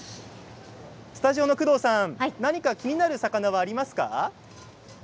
スタジオの工藤さん何か気になる魚はありますか？